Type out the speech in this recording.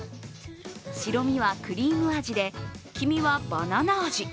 白身はクリーム味で黄身はバナナ味。